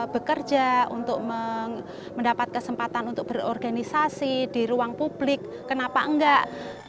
bekerja untuk mendapat kesempatan untuk berorganisasi di ruang publik kenapa enggak